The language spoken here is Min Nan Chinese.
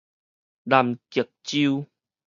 南極洲